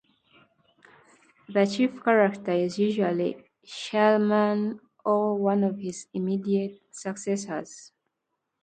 The chief character is usually Charlemagne or one of his immediate successors.